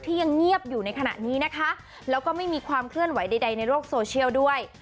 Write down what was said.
ยังเงียบอยู่ในขณะนี้นะคะแล้วก็ไม่มีความเคลื่อนไหวใดในโลกโซเชียลด้วย